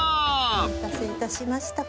お待たせいたしました。